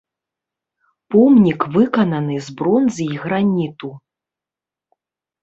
Помнік выкананы з бронзы і граніту.